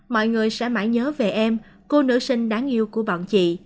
mọi người sẽ mãi nhớ về em cô nữ sinh đáng yêu của bọn chị